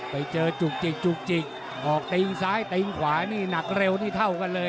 ไปเจอจุกจิกจุกจิกออกตีนซ้ายตีนขวานี่หนักเร็วนี่เท่ากันเลย